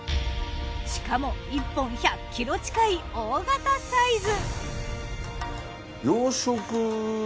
しかも１本１００ｋｇ近い大型サイズ。